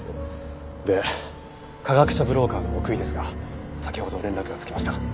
で科学者ブローカーの奥居ですが先ほど連絡がつきました。